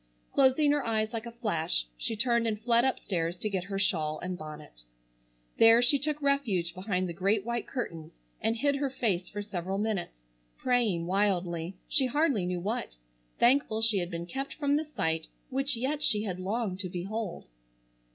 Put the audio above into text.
Closing her eyes like a flash she turned and fled upstairs to get her shawl and bonnet. There she took refuge behind the great white curtains, and hid her face for several minutes, praying wildly, she hardly knew what, thankful she had been kept from the sight which yet she had longed to behold.